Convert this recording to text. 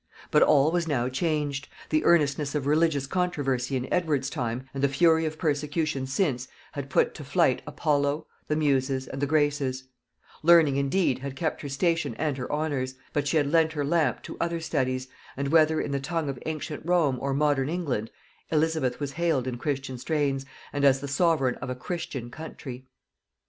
But all was now changed; the earnestness of religious controversy in Edward's time, and the fury of persecution since, had put to flight Apollo, the Muses, and the Graces: Learning indeed had kept her station and her honors, but she had lent her lamp to other studies, and whether in the tongue of ancient Rome or modern England, Elizabeth was hailed in Christian strains, and as the sovereign of a Christian country.